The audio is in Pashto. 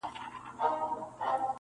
اسمان راڅخه اخلي امتحان څه به کوو؟-